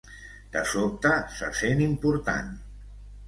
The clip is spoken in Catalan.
De sobte se sent important.